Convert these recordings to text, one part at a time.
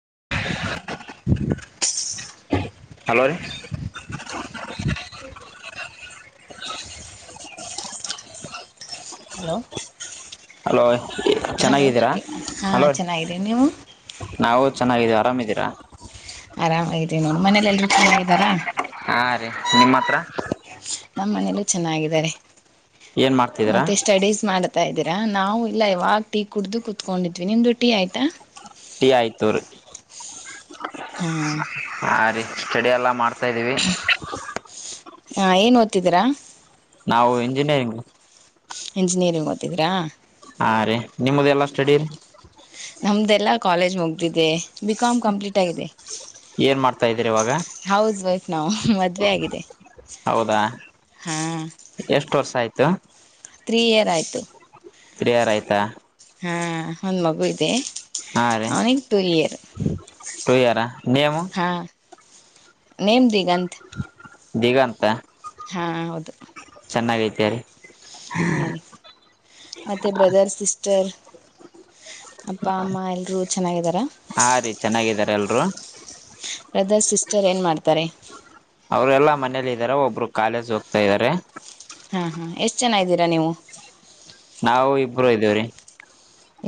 ಹ್ಮ್ಮ್ [inaudible] hello ರೀ [inaudible] hello ಹಲೋಯ್ hello ಹಾ ಚೆನ್ನಾಗಿದೆ ನೀವು ಚೆನ್ನಾಗಿದೆ ಆರಾಮಿದೀರಾ ಆರಾಮಾಗಿದ್ದೀವಿ ನೋಡಿ ಮನೇಲೆ ಎಲ್ರು ಚೆನ್ನಾಗಿದ್ದಾರಾ ಹಾ ರೀ ನಿಮ್ಮ ಹತ್ರ ನಮ್ಮ್ ಮನೆಯಲ್ಲೂ ಚೆನ್ನಾಗಿದ್ದಾರೆ ಏನ್ ಮಾಡ್ತಿದೀರ ತಾ ಇದೀರಾ ನಾವು ಇಲ್ಲ ಇವಾಗ ಟೀ ಕುಡ್ದು ಕುತ್ಕೊಂಡಿದ್ವಿ ನಿಮ್ದು ಟೀ ಆಯ್ತಾ ಟಿ ಆಯ್ತ ರಿ ಹ್ಮ್ ಹಾ ರೀ ಸ್ಟಡಿ ಎಲ್ಲಾ ಮಾಡ್ತಾ ಇದ್ದೀವಿ ಹಾ ಏನ್ ಓದ್ತಿದೀರಾ ನಾವು ಇಂಜಿನಿಯರಿಂಗ್ ಇಂಜಿನಿಯರಿ ಓತಿದಿರಾ ಹಾ ರೀ ನಿಮ್ದ್ ಎಲ್ಲ ಸ್ಟಡಿ ರೀ ನಮ್ದೇಲ್ಲಾ ಕಾಲೇಜ್ ಮುಗ್ದಿದೆ ಬಿಕಾಮ್ ಕಂಪ್ಲೀಟ್ ಆಗಿದೆ ಏನ್ ಮಾಡ್ತಾ ಇದ್ ಹೌಸ್ ವೈಫ್ ನಾವು ಮದುವೆ ಆಗಿದೆ ಹೌದಾ ಹಾ ತ್ತ ತ್ರೀ ಇಯರ್ ಆಯ್ತು ತ್ರಿಯರ್ ಆಯ್ತಾ ಹಾ ಒಂದ್ ಮಗು ಇದೆ ಐನ್ ತುರಿರ್ ಯಾರ ನೇಮು ನೇಮ್ ದಿಗಂತ್ ದಿಗಂತ ಹಾ ಹೌದು ಚೆನ್ನಾಗೈತೆ ರೀ ಹಾ ರಿ ಮತ್ತೆ ಬ್ರದರ್ ಸಿಸ್ಟರ್ ಅಪ್ಪ ಅಮ್ಮ ಎಲ್ರರು ಚೆನ್ನಾಗಿದ್ದಾ ಹಾ ರೀ ಚೆನ್ನಾಗಿದಾರೆ ಎಲ್ರು [unintelligible] ಬ್ರದರ್ ಸಿಸ್ಟರ್ ಏನ್ ಮಾಡ್ತಾರೆ ಅವ್ರ ಎಲ್ಲಾ ಮನೇಲಿ ಇದಾರ ಒಬ್ರು ಕಾಲೇಜ್ ಹೋಗ್ತಾ ಇದಾರೆ ಹಾ ಹಾ ಎಷ್ಟ್ ಜನ ಇದಿರ ನೀವು ನಾವು ಇಬ್ರು ಇದೇವಿ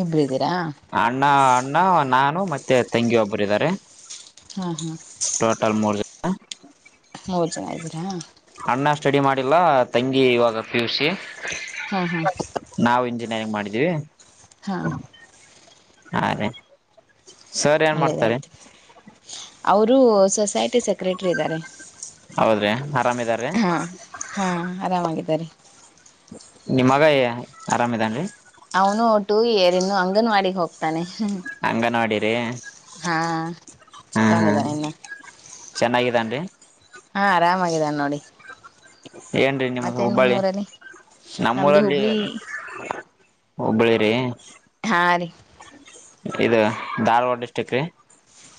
ಇಬ್ರ್ ಇದಿ ಅಣ್ಣ ಅಣ್ಣ ನಾ ಮತ್ತೆ ತಂಗಿ ಒಬ್ಬರು ಇದಾರೆ ಹಾ ಹಾ ಟೋಟಲ್ ಮುರ್ಜ ಹ [inaudible] ಮೂರ್ ಜನ ಇದ್ದೀರಾ ಅಣ್ಣ ಸ್ಟಡಿ ಮಾಡಿಲ್ಲ ತಂಗಿ ಇವಾಗ ಪಿಯುಸಿ. ಹಾ ಹಾ ನಗೆ ಮಾಡಿದೀವಿ ಹಾ ಹಾ ರೆ ಸರ್ ಏನ್ ಮಾಡ್ತಾರೆ ಒಳ್ಳೆಯದಾಯ್ತು ಅವರು ಸೊಸೈಟಿ ಸೆಕ್ರೆಟರಿ ಇದ್ದಾರೆ ಹೌದ್ರಿ ಆರಾಮಿದಾರ್ರೀ ಹಾ ಹಾ ಆರಾಮಾಗಿದ್ದಾರೆ ನಿಮ್ಮಗ ಆರಾಮ್ದನ್ರಿ ಅವನು ಟು ಇಯರ್ ಇ ನ್ನು ಅಂಗನವಾಡಿಗೆ ಹೋಗ್ತಾನೆ ಹಂಗನವಾಡಿ ನೋಡಿ ಅ ಹಾ ಚಿಕ್ಕ ನೀದ ನ್ನ ಚೆನ್ನಾಗಿದೆ ರೀ ಹಾ ಆರಾಮಾಗಿದ್ದಾನ ನೋಡಿ ಏನ್ರರಿ ನಿಮ್ಮ್ ಮತ್ತೆ ಳಹುಬ್ಬಳ್ಳಿ ನಿಮ್ಮೂರಲ್ಲಿ ನಮ್ಮದು ನಮ್ಮೂರಲ್ಲಿ. ಹುಬ್ಳಿ ಹುಬ್ಬಳಿ ರೀ ಆಾರ. ಇದು ಧಾರವಾಡ ಡಿಸ್ಟ್ರಿಕ್ ರೀ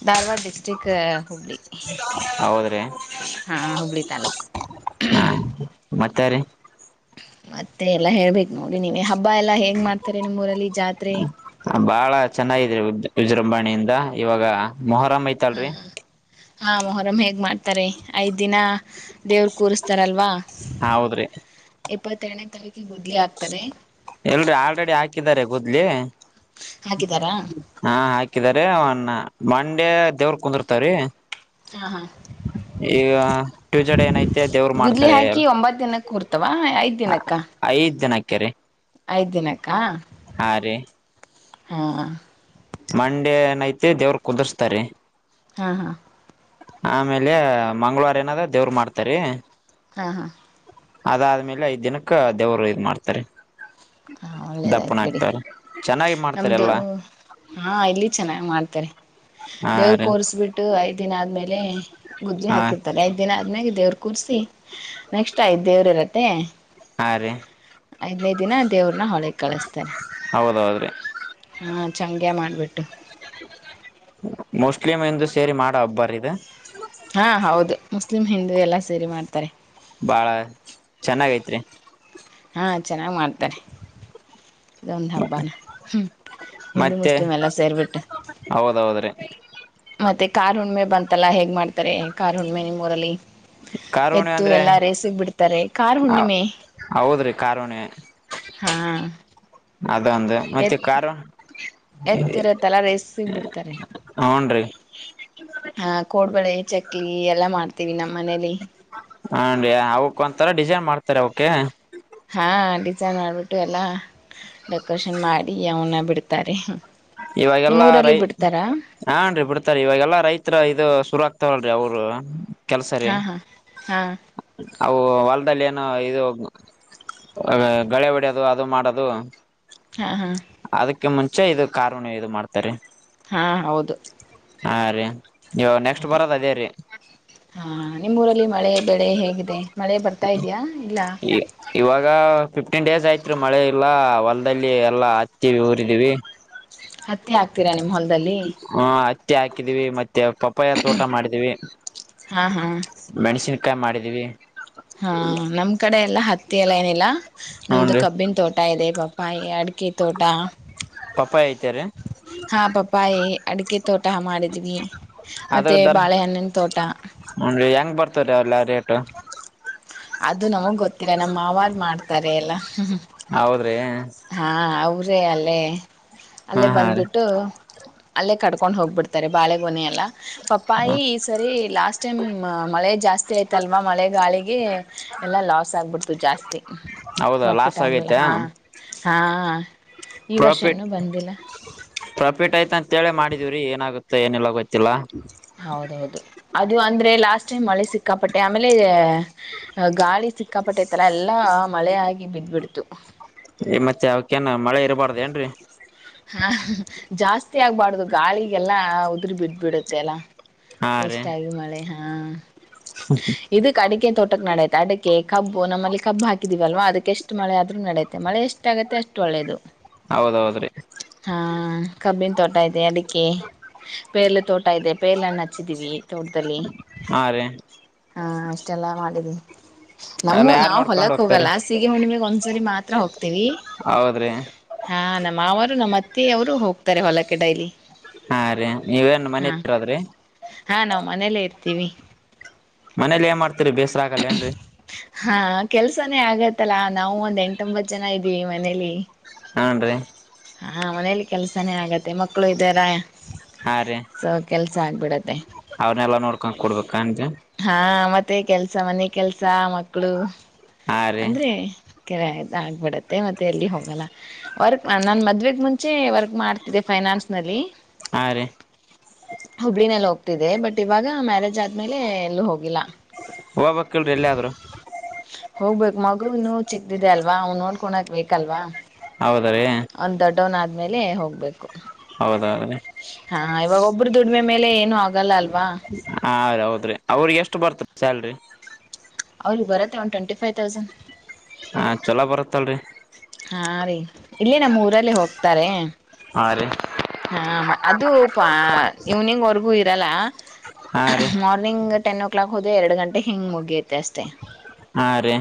ಧಾರವಾಡ ಡಿಸ್ಟ್ರಿಕ್ ಹುಬ್ಳ್ ರ ಹಾ ಹುಬ್ಬಳಿ ತಾಲೂಕು ಹಾ ಮತ್ತೆ ರೀ ಮತ್ತೆ ಎಲ್ಲ ಹೇಳ್ಬೇಕಕ್ ನೋಡಿ ನೀವ ಹಬ್ಬ ಎಲ್ಲಾ ಹೆಂಗ ಮಾಡ್ತಾರೆ ನಿಮ್ಮ್ ಊರಲ್ಲಿ [inaudible] ಬಾಳ ಚೆನ್ನಾಗರಿ ವಿಜೃಂಭಾಣೆಯಿಂದ ಇವಾಗ ಮೊಹರಾ ಮೈತಾಳ ರೀ ಹಾ ಮೊಹರಂಮಹೇಗ್ ಮಾಡ್ತಾರೆ ಐದ್ ದಿನ ದೇವ್ರ ಕೂರ್ಸ್ತಾರಲ್ವಾ ಹ ಹೌದ್ರಿ ಇಪ್ಪತ್ತೆರಡನೇ ತಾರೀಕಿಗೆ ಬೊದ್ಲಿ ಆಕ್ತಾರೆ ಎಲ್ರಿ ಆಲ್ರೆಡಿ ಹಾಕಿದಿದ್ದಾರೆ ಕೂದ್ಲಿ ಹಾಕಿದಾರಾ ಹಾ ಹಾಕಿದಿದ್ದಾರೆ ಅವನ್ ಮಂಡ್ಯ ದೇವ್ರ ಕುಂದಿರ್ತವೀ ಹಾ ಹಾ ಈಗ ಟ್ಯೂಸಡೇ ಏನೈತೆ ದೇವರು ಮಾಡ್ತಾರೆ ಎ ಕೊರ್ ಅಥವಾ ಐದ್ ದಿನಕ್ಕ ಕೆರೆ ಐದ್ ದಿನಕ್ಕ ಹಾ ರೀ ಹಾ. ಮನೋಡೇ ಇನಾಯ್ಯಿ ತೆ ದೇವ್ರ ಕುದಸ್ತಾರೆ ಹಾ ಹಾ. ಆಮೇಲೆ ಮಂಗಳವರ ಏನದ ದೇವ್ರ ಮಾಡ್ತಾರ ಹಾ ಹಾ ಅದಾದ್ಮೇಲೆ ಐದ್ ದಿನಕ್ಕ ದೇವರು ಇದ ಮಾಡ್ತಾರೆ ಹಾ ದಪ್ಪನ್ ಒಳ್ಳೇದಾಯ್ತು ಬಿಡಿ ಹಾಕ್ತಾರ ಚೆನ್ನಾಗಿ ಮಾಡ್ತಾರೆ ನಮ್ದು ಎಲ್ಲ ಹಾ ಇಲ್ಲಿ ಚೆನ್ನಾಗ್ ಮಾಡ್ತಾರೆ ಹಾ ದೇವ ರೀ ಕೋರ್ರಿಸ್ಬಿಟ್ಟು ಆಯ್ತು ದಿನ ಆದ್ಮೇಲೆ ಗುದ್ಜ ಹಾ ಹಕಿರ್ತ ಐದಿನ ಆದ್ಮೇಲೆ ದವ್ರರು ಕೂರ್ಸಿ ನೆಕ್ಸ್ಟ್ ಆಯ ದೇವ್ರ ಇರತ್ತೆ ಆ ಐದನೇದು ದಿನಾ ಹೊಳ ಕಳಿಸತಾರೆ ಹೌದೌದ್ರಿ ಹ ಚಂಗ್ಯ ಮಾಡಿ ಬಿಟ್ಟ ಮುಸ್ಲಿಮ್ ಹಿಂದ ಸೇರಿ ಮಾಡ ಒಬ್ಬರ ಇದೆ ತ ಹಾ ಹೌದು ಮುಸ್ಲಿಂ ಹಿಂದೂ ಎಲ್ಲ ಸೇರಿ ಮಾಡ್ತಾರೆ ಬಾಳ ಚೆನ್ನಾಗೈತ್ರಿ ಹಾಂ ಚೆನ್ನಾಗಿ್ ಮಾಡ್ತಾರೆ ಇೊಂದು ಹಬ್ಬಾನ ಹಿಿಂದ ಮತ್ತೆ ಮುಸ್ಲಿೀಮ ಎಲ್ಲಾ ಸೇರಿಬಟ್ಟು ಹೌದೌದ್ರಿ ಮತ್ತೆ ಕಾರ್ ಹುಣ್ಣ್ಮೆ ಬಂತಲ್ಲ ಹೇಗೆ ಮಾಡ್ತಾರೆ ಕಾರ್ ಹುಣ್ಣ್ಮೆ ನಿಮ್ಮೂರಲ್ಲಿ ಕಣಿವ ಎತ್ತು ಅಂದ್ರೆ ಎಲ್ಲಾ ರೇಸಿಗ್ ಬಿಡ್ತಾರೆ ಕಾರ್ ಹುಣ್ಣಿಮೆ ಹೌದ್ರಿ ಕಾರಣಿವ. ಹಾ ಅದೊಂದು ಮತ್ತೆ ಕಾರು ಎತ್ತಿರತ್ತಲ್ಲಾರ ಎಸ್ಸಗ್ ಬಿಡ್ತಾರೆ ನ್ರಿ ಹ ಕೋಡ್ಬಳೆ ಚಕ್ಲಿ ಎಲ್ಲಾ ಮಾಡ್ತೀವಿ ನಮ್ ಹನ್ ಅವಕ್ ಒಂತರ ಡಿಸೈನ್ ಮಾಡ್ತ ರ ಓಕೆ ಹಾ ಡಿಸೈನ್ ಮಾಡಬಿಟ್ಟು ಎಲ್ಲ ಡೆಕೋರೇಷನ್ ಮಾಡಿ ಅವನ್ನ ಬಿಡ್ತಾರೆ ಇವಾಗೆಲ್ಲ ನಿಮ್ಮೂರಲ್ಲಿ ರೈ ಬಿಡ್ತಾರಾ ಹಾನ್ೀ ಬಿಡ್ತಾರೀ ಇವಾಗೆಲ್ಲಾ ರೈತರ ಇದು ಸುರಕ್ಷ ಹತವಲ್ರಿ ಅವ್ರು ಹಾ ಹಾ ಹಾ ಅವು ಹೊಲದಲ್ಲಿ ಏನು ಇದು ಗಳೆ ಹೊಡಿಯೋದು ಅದು ಮಾಡೋದು ಹಾ ಹಾ ೆ ಮುಂಚೆ ಇದು ಕಾರಣ ಇದು ಮಾಡ್ತಾರೆ ಹಾ ಹೌದು ಹಾ ರೀ ನೀವು ನೆಕ್ಸ್ಟ್ ಅದೇ ಬರದ ಅದೇೀ ಹಾ ನಿಮ್ಮ್ೂಊರಲ್ಲಿ ಮಳೆ ಬೆಳೆ ಹೇಗಿದೆ. ಮಳೆ ಬರ್ತಾ ಇದೆಯಾ ಇಲ್ಲ ಇವಾಗ ಫಿಫ್ಟೀನ್ ಡೇಸ್ ಆಯ್ತ್ೀ ಮಳೆ ಇಲ್ಲ ಹೊಲದಲ್ಲಿ ಎಲ್ಲಾ ಹತ್ತೀವಿ ಊರಿದೀವಿ ಹತ್ತ ತೀರಾ ನಿಮ್ಮ ಹೊಲ್ದಲ್ಲಿ ಟ್ಟಿ ಹಾಕಿದೀವಿ ಪಪ್ಪಾಯ ತೋಟ ಮಾಡಿದೀವಿ ಹಾ ಹಾ ಮೆಣಸನ್ ಕಾಯ ಮಾಡಿದ್ದೀವಿ ಹಾ ನಮ ಕಡೆ ಎಲ್ಲಾ ಹತ್ತಿ ಎಲ್ಲ ಏನಿಲ್ಲ ನಮ್ದು ಹೂನ್ರಿ ಕಬ್ಬಿನ ತೋಟ ಇದೆ ಪಾಪ ಪಯಡ್ ಕೆ ತೋಟಾ ಪಪ್ಪಾಯ ಐತೆರಿ ಹಾ ಪಪಾಯಿ ಅಡಿಕೆ ತೋಟ ಮಾಡಿದ್ವಿ ಆದ್ರ ಮತ್ತೆ ದರನ್ ಬಾಳೆಹಣ್ಣಿನ ತೋಟ ಹೆಂಗ್ ಬರ್ತಾರ ಅವಲ್ಲ ರೇಟ್ ಹ್ಮ್ಮ್. [unintelligible] ಅದು ನಮಗ್ ಗೊತ್ತಿಲ್ಲ ನಮ್ಮ ಮಾವರ್ ಮಾಡ್ತಾರೆ ಎಲ್ಲ್ಮ. ಹೌದ್ರಿ. ಪ್ರೆಯಲ್ಲೇ ಹಾ ಅಲ್ಲೇ ಹಾ ರೀ ಬಂದ್ಬಿಟ್ಟು ಅಲ್ಲೇ ಕಡ್ಕೊಂಡ್ ಹೋಗ್ಬಿಡ್ತಾರೆ ಬಾಳೆಗೂನೆೆಯ ಅಲ್ಲ ಪಪ್ಪಾಯಿ ಸರಿ ಲಾಸ್ಟ್ ಟೈಮ್ ಮಳೆ ಜಾಸ್ತಿ ಜತಿ ಆಯತಲ್ವಾ ಮಳೆ ಗಾಳಿಗೆ ಎಲ್ಲ ಲಾಸ್ ಆಗ್ಬಿಡ್ತು ಜಾಸ್ತಿ ಹೌದ ಪ್ರಾಫಿಟ್ ಲಾಸ್ ಆಗ್ಲಿಲ್ಲ ಆಗೈತೆ ಹಾ ಹಾ ಈ ವರ್ಷ ಇನು ಬಂದಿಲ್ಲ ಟ್ ಆಯ್ತ ಅಂತ ಹೇಳೇ ಮಾಡಿದೀವರಿ ಏನಾಗುತ್ತೆ ಏನಿಲ್ಲ ಗೊತ್ತಿಲ್ಲ ಹೌದೌದು ಅದು ಅಂದ್ರೆ ಲಾಸ್ಟ್ ಟೈಮ್ ಮಳೆ ಸಿಕ್ಕಾಪಟ್ಟೆ ಆಮೇಲೆ ಗಾಳಿ ಸಿಕ್ಕಾಪಟ್ಟೆ ತರ ಎಲ್ಲಾ ಮಳೆ ಆಗಿ ಬಿದ್ದ್ಬಿಡ್ತು ಈ ಮತ್ತೆ ಅವಕ್ಕೇಏನ ಮಳೆ ಇರಬಾರ್ದ ಏನ್ರೀ ಹಾ ಜಾಸ್ತಿ ಆಗ್ಬಾರಡ್ದು ಗಾಳಿಗೆಲ್ಲಾ ಉದ್ರಬಿದ ಬಿಡುತ್ತೆ ಅಲ್ಲ ಹಾ ರೀ ಎಷ್ಟಾಗಿ ಮಳೆ ಹ ಇದಕ್ ಅಡಿಕೆ ತೋಟಕ್ ನಡೈತೆ ಅಡಿಕೆ ಕಬ್ಬು ನಮ್ಮಲ್ಲಿ ಕಬ್ಬು ಹಾಕಿದಿವಲ್ವಾ ಅದಕ್ಕೆ ಎಷ್ಟು ಮಳೆ ಆದ್ರೂ ನಡೆಯತೆೆ ಮಳೆ ಎಷ್ಟಾಗುತ್ತೆ ಅಷ್ಟ ಒಳ್ಳೇದು ಹೌದೌದ್ರಿ ಹಾ ಕಬ್ಬಿನ ತೋಟ ಇದೆ ಅಡಿಕೆ ಬೇಲೆ ತೋಟ ಇದೆ ಪೇರಳಣ್ಣ ಹಚ್ಚಿದೀವಿ ತೋಟದಲ್ಲಿ ಹಾ ರೀ ಹ ಅಷ್ಟೆಲ್ಲ ಮಾಡಿದ್ವಿ ಎಲ್ಲ ನಮ್ಮ ಯಾರ್ ನಾವು ನೋಡ್ಕೊಂಡ್ ಹೊಲಕ್ ಹೋಗ್ತಾರಿ ಹೋಗಲ್ಲ ಸಗ ಹುಣ್ಣಮಗ್ ಒಂದ್ಸರಿ ಮಾತ್. ರ ಹೌದ್ರಿ ಹ ನ ಮಾವರ ನಮ್ಮತ್ತೆ ಅವರು ಹೋಗ್ತಾರೆ ಹೊಲಕ್ಕೆ ಡೈಲಿ. ಹಾ ರೀ ನೀವೇನ್ ಮನೆ ಹಾ ಇದೀರದ್ರಿ ಹಾ ನಾವು ಮನೇಲ್ಲೇ ಇರ್ತೀವಿ ಮನೇಲಿ ಏನ್ ಮಾಡ್ತರಿ ಬೇಸರ ಆಗಲ್ಲ ಏನ್ರಿ ಸನ ಆಗತ್ತಲ್ಲಾ ನಾವು ಒಂದ್ ಎಂಟೊಂಬತ್ ಜನ ಇದ್ದೀವಿ ಮನೇಲಿ ಹ್ನ್ ರೀ ಹಾ ಮನೇಲಿ ಕೆಲಸಾನೇ ಆಗತ್ತೆ ಮಕ್ಕಳು ಇದ್ದಾರ. ಸೊ ಕೆಲ್ ಸಾಗ್ಬಡ್ ಅವ್ರ್ನೆೆಲ್ಲ ನೋಡ್ಕೊಂಡ ಕೊಡ್ಬೇಕ ಮತ್ತೆ ಹಾ ಮತ್ತೆ ಕೆಲ್ಸ ಮನೆ ಕೆಲ್ಸ ಮಕ್ಳು. ಹಾ ರೀ ಅಂದ್ರೆ ಕೆರೆ ಆಗ್ಬಿಡತ್ತೆ ಮತ್ತೆ ಎಲ್ಲಿ ಹೋಗಲ್ಲ ವರ್ಕ್ ನಾನು ಮದುವೆಗೆ ಮುಂಚೆ ವರ್ಕ್ ಮಾಡ್ತಿದ್ದೆ ಫೈನಾನ್ಸ್ನಲ್ಲಿ ಹಾ ರೀ ಹುಬ್ಬಳಿನಲ್ಲ ಇದೆ ಬಟ್ ಇವಾಗ ಮ್ಯಾರೇಜ್ ಆದ್ಮೇಲೆ ಎಲ್ಲೂ ಹೋಗಿಲ್ಲ ಹೋಗಬೇಕಕ್ಲ್ರಿ ಎಲ್ಲಿಯಾದ್ರು ಹೋಗ್ಬೇಕಕ್ ಮಗು ಇನ್ನು ಚಿಕ್ದಿದೆ ಅಲ್ವಾ ಅವ್ ನೋಡ್ಕೊಂಡಕ್ ಬೇಕಲ್ವಾ ಹೌದ ರೀ ಅವ್ನ್ ದಡ್ಡವನ್ ಆದ್ಮೇಲೆ ಹೋಗ್ಬೇಕು ಹೌದ ಅದೇ ಹಾ ಇವಾಗ ಒಬ್ರು ದುಡಿಮೆ ಮೇಲೆ ಏನು ಆಗಲ್ಲ ಅಲ್ವಾ. ಹದ ಹೌದ್ರಿ ಅವ್ರಿಗೆ ಎಷ್ಟು ಬರ್ತ ಸ್ಯಲ್ರಿ ಅವ್ರಿಗೆ ಬರುತ್ತೆ ಒಂದು ಟ್ವೆಂಟಿ ಫೈವ್ ತೌಸಂಡ್ ಹ ಚೊಲೋ ಬರುತ್ತಲ್ರಿ. ಹಾ ರೀ ಇಲ್ಲಿ ನಮ್ಮ್ ಊರಲ್ಲಿ ಹೋಗ್ತಾರೆ. ಹಾ ರಿ ಹ ಅದು ಪ ಇವ್ನಿಂಗ್ವರ್ಗೂ ಇರಲ್ಲ. ಹಾ ರೀ ಮರ್ನಿಂಗ್ ಟೆನ್ ಓ ಕ್ಲಕ್ ಹೋದದೆ ಎರಡು ಗಂಟೆ ಹಿಂಗ ಮುಗಿಯುತ್ತೆ ಅಷ್ಟೇ. ಹಾ ರೀ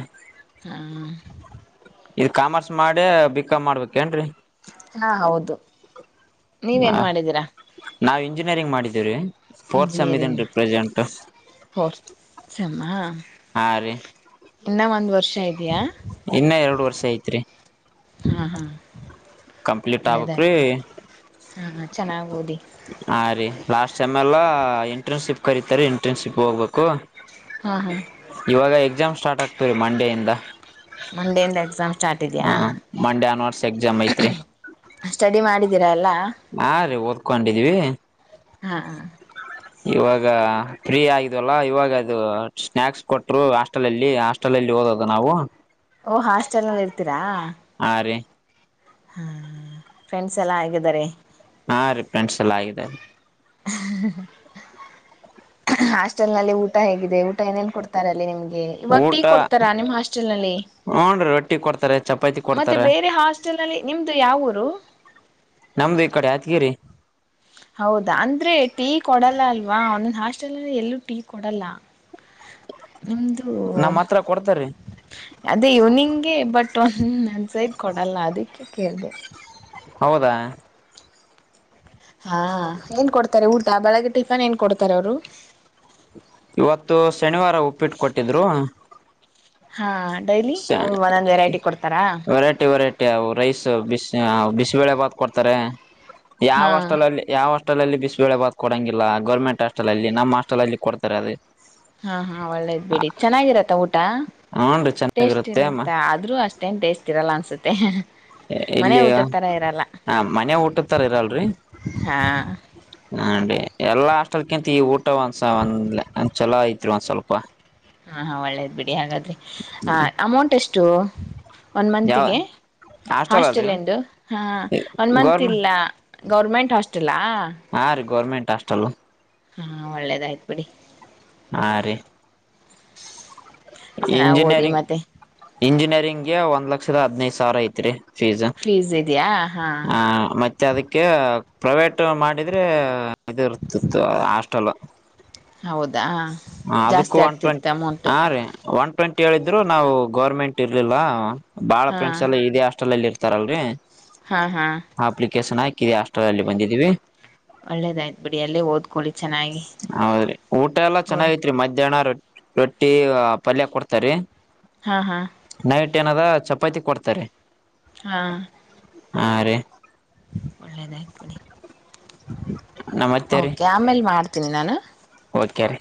ಹಾ ಇ ಕಾಮರ್ಸ್ ಮಾಡಿ ಬಿಕಾಮ್ ಮಾಡ್ಬೇಕ ಏನ್ರೀ ಹಾ ಹೌದು. ನೀವೇನ್ ಹ ಮಾಡಿದೀರಾ ನಾವು ಇಂಜಿನಿಯರಿಂಗ್ ಮಾಡಿದ್ದೀವ್ರೀ ಫೋರ್ತ್ ಸೇಮ್ ಇದೀನಿ ಇಂಜಿನಿಯರಿಂಗ್ ರಿ ಪ್ರೆಸೆಂಟ್. ಸಮ್ಮ ಹಾ ರೀ ಇನ್ನ ಒಂದ್ ವರ್ಷ ಇದಯಾ ಇನ್ನ ಎರಡು ವರ್ಷ ಐತ್ರಿ. ಹಾ ಹಾ ಕಂಪ್ಲೀಟ್ ಆಗಬೇಕರೀ ಒಳ್ಳೇದಾಗ್ಲಿ ಹಾ ಹಾ ಚೆನ್ನಾಗ್ ಓದಿ ಆ ರಿ ಲಾಸ್ಟ್ ಸೆಮ್ ಎಲ್ಲಾ ಇಂಟರ್ನ್ಶಿಪ್ ಕರೀತಾರೆ ಇಂಟರ್ನ್ಶಿಪ್ ಹೋಗ್ಬೇಕು. ಹಾ ಹಾ ಇವಾಗ ಎಕ್ಸಾಮ್ಸ್ ಸ್ಟಾರ್ಟ್ ಆಗ್ತೀವ ರೀ ಮಂಡೆಯಿಂದ ಮಂಡೆಯಿಂದ ಎಕ್ಸಾಮ್ ಸ್ಟಾರ್ಟ್ ಇದೆಯಾ ಹ ಮಂಡೆ ಅನ್ವರ್ಸ ಎಕ್ಸಾಮ್ ಐತ್ರಿ. ಸ್ಟಡಿ ಮಾಡಿದೀರಾ ಎಲ್ಲ. ಹಾ ರೀ ಓದ್ಕೊಂಡಿದ್ವಿ. ಹಾ ಹ ಇವಾಗ ಫ್ರೀ ಆಗಿದ್ವಲ್ಲ ಇವಾಗ ಅದು ಸ್ನಾಯಕ್ಸ್ ಕೊಟ್ರು ಹಾಸ್ಟೆಲ್ಲ್ಲಿ ಹಾಸ್ಟೆಲ್ ಅಲ್ಲಿ ಓದದ ನಾವು ಓ ಹಾಸ್ಟೆಲ್ ನಲ್ಲಿ ಇರ್ತೀರಾ. ಹಾ ರೀ ಹಾ ಫ್ರೆಂಡ್ಸ್ ಎಲ್ಲಾ ಆಗಿದಿದ್ದಾರೆ. ಹಾ ರಿ ಫ್ರೆಂಡ್ಸ್ ಎಲ್ಲಾ ಆಗಿದ್ದರೆ. ಹಾಸ್ಟೆಲ್ ನಲ್ಲಿ ಊಟ ಹೇಗಿದೆ ಊಟ ಏನೇನ್ ಕೊಡ್ತಾರಲ್ಲಿ ನಿಮಗೆ ಇವಾಗ ಟೀ ಊಟ ಕೊಡ್ತಾರ ನಿಮ್ ಹಾಸ್ಟೆಲ್ ನಲ್ಲಿ ಹೂನ್ ರೀ ರೊಟ್ಟಿ ಕೊಡ್ತಾರೆ ಚಪಾತಿ ಮತ್ತೆ ಕೊಡ್ತಾರೆ ಬೇರೆ ಹಾಸ್ಟೆಲ್ ನಲ್ಲಿ ನಿಮ್ದು ಯಾವೂರು. ನಮ್ದು ಈ ಕಡೆ ಹತ್ಗಿರಿ ಹೌದಾ ಅಂದ್ರೆ ಟೀ ಕೊಡಲ್ಲ ಅಲ್ವಾ ಒಂದಂದ ಹಾಸ್ಟೆಲ್ ಅಂದ ಎಲ್ಲೂ ಟೀ ಕೊಡಲ್ಲ. ನಿಮ್ದು ನಮ್ಮ್ ಹತ್ರ ಕೊಡ್ತಾರೀ ಅದೇ ಇವ್ನಿಂಗೆ ಬಟ್ ಮಟ್ಟೊಂದು ನನ್ಸೈದ ಕೊಡಲ್ಲ ಅದಕ್ಕೆ ಕೇಳಿದೆ ಹೌದಾ ಹಾ ಏನ್ ಕೊಡ್ತಾರೆ ಊಟ ಬೆಳಗ್ಗೆ ಟಿಫನ್ ಏನ್ ಕೊಡ್ತಾರೆ ಅವರು ಇವತ್ತು ಶನಿವಾರ ಉಪ್ಪಿಟ್ಟ ಕೊಟ್ಟಿದ್ರು ಹಾ ಡೈಲಿ ಒಂದೊಂದ್ ವೆರೈಟಿ ಕೊಡ್ತಾರಾ. ವೆರೈಟಿ ವೆರೈಟಿ ರೈಸ್ ಬಿಸ್ ಬಿಸ್ಬೇಳೆ ಭಾತ್ ಕೊಡ್ತಾರೆ ಯಾವ ಹಾ ಅಷ್ಟಲಲ್ಲಿ ಯಾವ ಹಾಸಲ್ಲ್ಲಿ ಬಿಸ್ಳೆ ಬಾ ಕೊಡಂಗಿಲ್ಲ ಗರ್ಮೆಟ್ ಹಾಸ್ಟೆ ಅಲ್ಲಿ ನಮ್ಮ ಹಾಸ್ಟಲ್ ಅಲ್ಲಿ ಕೊಡ್ತಾರೆ ಅದು ಹಾ ಹಾ ಒಳ್ಳೇದ್ ಬಿಡಿ ಚೆನ್ನಾಗಿರತ್ತ ಊಟ. ಹ್ನ್ರಿ ಟೇಸ್ಟ್ ಚೆನ್ನಾಗಿರತ್ತೆ ಅಮ್ಮ ಇರತ್ತ ಆದ್ರೂ ಅಷ್ಟೇನ್ ಟೇಸ್ಟ್ ಇರಲ್ಲ ಅನ್ಸುತ್ತೆ. ಮನೆ ಇಲ್ಲಿಯ ಊಟದ ತರ ಇರಲ್ಲ ಹ ಮನೆ ಊಟತ್ತರ ಇರಲ್ರಿ ಹಾ ಹೀ ಎಲ್ಲಾ ಆಸ್ಟಲ್ಕಿಂತ ಈ ಊಟ ಒಂದ್ಸ ಒಂದ್ ಒಂದ್ ಚಲೋ ಐತ್ರಿ ಒಂದ್ ಸ್ವಲ್ಪ ಹಾ ಹಾ ಒಳ್ಳೇದ್ ಬಿಡಿ ಹಾಗಾದ್ರೆ ಹ ಅಮೌಂಟ್ ಎಷ್ಟು ಷ್ಟೋ ಒನ್ ಯಾವ ಮಂತಿಗೆ ಹಾಸ್ಟೆಲ್ ಎಂದು ಹಾಂ ಒನ್ ಮಂತ ಗೌರ್ಮೆಂಟ್ ಇಲ್ಲ ಗೌರ್ಮೆಂಟ್ ಹಾಸ್ಟೆಲಾ ಟಾಸ್ಟಲ್ಲ ಹಾ ಒಳ್ಳೇದಾಯ್ತು ಬಿಡಿ ಹಾ ರೀ ಚೆನ್ನಾಗ್ ಓದಿ ಇಂಜಿನಿಯರಿಂಗ್ ಮತ್ತೆ ಇಂಜಿನಿಯರಿಂಗ್ಗೆ ಒಂದು ಲಕ್ಷದ ಅಧಿ ನೈದುಸಾವಿರ ಐತೆರಿ ಫೀಸ್ ಇದಯಾ ಹಾ ಮತ್ತೆ ಅದಕ್ಕೆ ಪ್ರೈವೇಟ್ ಮಾಡಿದ್ರೆ ಇದು ಇರ್ತಿತ್ತು ಹಾಸ್ಟೆಲ್. ಹೌದಾ ಅದಕ್ಕೂ ಜಾಸ್ತಿ ಒನ್ ಆಗ್ತಿತ್ತು ಟ್ವೆಂಟಿ ಅಮೌಂಟ್ ಹಾ ರೀ ಒನ್ ಟ್ವೆಂಟ್ ಹೇಳಿದ್ರು ನಾವು ಗೌರ್ಮೆಂಟ್ ಇರ್ಲಿಲ್ಲ ಬಾಳ ಹಾ ಫೆಂಡ್ಸ್ ಎಲ್ಲದೆಷ್ಟ ಹೋಟಲ್ಲಿ ಇರ್ತಾರಲ್ರರಿ ಹಾ ಹಾ ಹ ಅಪ್ಲಿಕೇಶನ್ ಆಯ್ ಕ ಆಸ್ಷ್ಟ್ರ ಅಲ್ಲಿ ಬಂದಿದ್ದೀವಿ ಒಳ್ಳೇದಾಯ್ತ್ ಬಿಡಿ ಅಲ್ಲೇ ಓದ್ಕೊಳ್ಳಿ ಚೆನ್ನಾಗಿ ಹೌದ್ರಿ ಊಟ ಎಲ್ಲಾ ಗೌರ್ ಚೆನ್ನಾಗೈತ್ರಿ ಮಧ್ಯಾಹ್ನ ರೊಟ್ಟಿ ಪ್ರತಿ ಪಲ್ಯ ಕೊಡ್ತಾರೆ ಹಾ ಹಾ ಮಟ್ಟೆನದ ಚಪಾತಿ ಕೊಡ್ತಾರೆ ಹಾ ಹಾ ರಿ ಒಳ್ಳೆದಾಯ ಕಡೆ ನಮತ್ತೆ ಓಕೆ ಆಮೇಲ್ ಮಾಡ್ [inaudible] ಏನು ಗಓದಗೆರೆ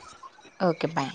ಓಕೆ ಬಾಯ್